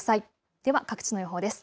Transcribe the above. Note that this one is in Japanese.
では各地の予報です。